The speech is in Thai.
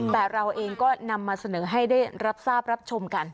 แต่เราเองก็นำมาเสนอให้ได้รับทราบรับชมกัน